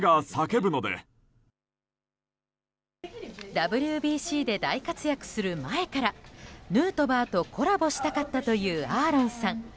ＷＢＣで大活躍する前からヌートバーとコラボしたかったというアーロンさん。